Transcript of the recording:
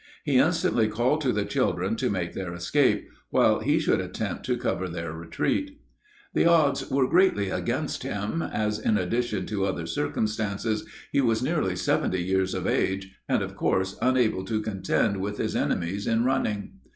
He instantly called to the children to make their escape, while he should attempt to cover their retreat. The odds were greatly against him, as in addition to other circumstances, he was nearly seventy years of age, and, of course, unable to contend with his enemies in running.